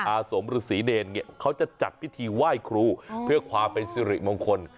อาสมฤษีเนรเนี่ยเขาจะจัดพิธีไหว้ครูเพื่อความเป็นสิริมงคล